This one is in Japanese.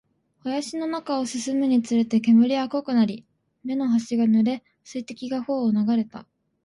林の中を進むにつれて、煙は濃くなり、目の端が濡れ、水滴が頬を流れた